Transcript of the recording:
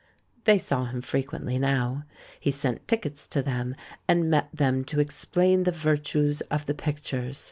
They saw him frequently now. He sent tickets to them, and met them to explain the virtues of the pictures.